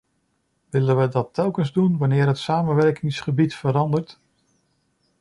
Willen we dat telkens doen wanneer het samenwerkingsgebied verandert?